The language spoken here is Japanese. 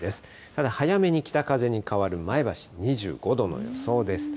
ただ、早めに北風に変わる前橋、２５度の予想です。